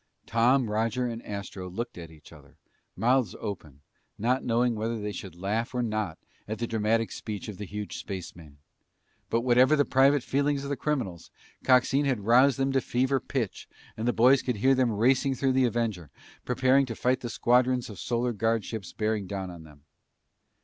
Tom, Roger, and Astro looked at each other, mouths open, not knowing whether they should laugh or not at the dramatic speech of the huge spaceman. But whatever the private feelings of the criminals, Coxine had roused them to fever pitch and the boys could hear them racing through the Avenger, preparing to fight the squadrons of Solar Guard ships bearing down on them.